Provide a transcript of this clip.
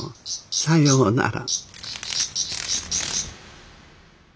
さようなら。